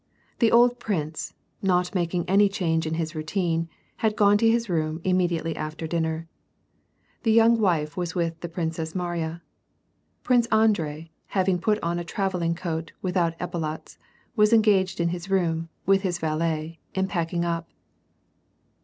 The old prince, not making any change in his rou tine, had gone to his room immediately after dinner. The young wife was with the Princess Mariya. Prince Andrei, having put on a travelling coat without epaulets, was engaged in his room, with his valet, in packing up.